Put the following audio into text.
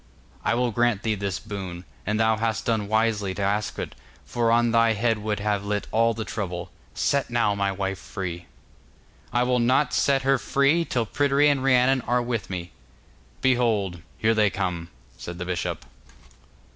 'I will grant thee this boon; and thou hast done wisely to ask it, for on thy head would have lit all the trouble. Set now my wife free.' 'I will not set her free till Pryderi and Rhiannon are with me.' 'Behold, here they come,' said the bishop.